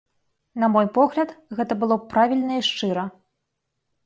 На мой погляд, гэта было б правільна і шчыра.